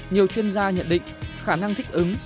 nhiều chuyên gia nhận định khả năng thích ứng